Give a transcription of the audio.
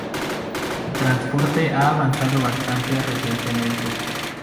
El transporte ha avanzado bastante recientemente.